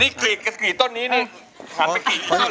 นี่กลีกับกลีต้นนี้เนี่ยขัดไปกี่ต้นเลยนะ